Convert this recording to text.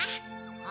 あ？